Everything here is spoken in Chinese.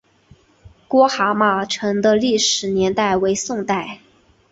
郭蛤蟆城的历史年代为宋代。